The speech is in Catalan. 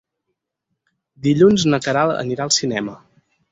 Dilluns na Queralt anirà al cinema.